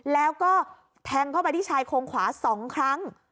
แล้วก็แทงเข้าไปที่ชายโครงขวา๒ครั้ง